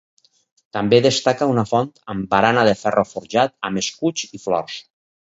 També destaca una font amb barana de ferro forjat amb escuts i flors.